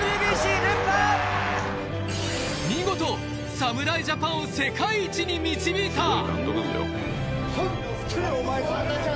見事侍ジャパンを世界一に導いたホントに。